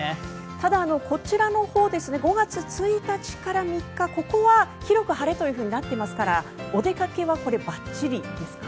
ただこちらのほう５月１日から３日はここは広く晴れというふうになっていますからお出かけはばっちりですか？